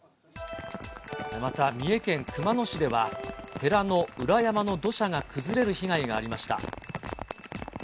また三重県熊野市では、寺の裏山の土砂が崩れる被害がありました。